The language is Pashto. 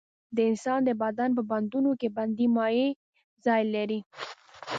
د انسان د بدن په بندونو کې بندي مایع ځای لري.